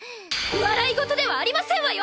笑い事ではありませんわよ！